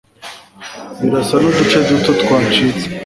Birasa nuduce duto twacitse